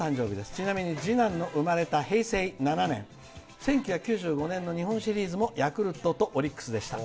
ちなみに次男の生まれた平成７年、１９９５年の日本シリーズもヤクルトとオリックスでした。